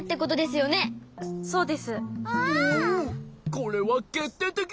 これはけっていてき！